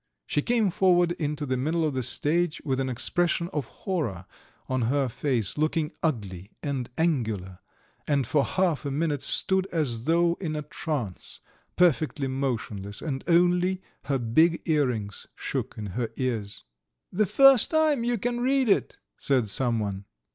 She came forward into the middle of the stage with an expression of horror on her face, looking ugly and angular, and for half a minute stood as though in a trance, perfectly motionless, and only her big earrings shook in her ears. "The first time you can read it," said someone.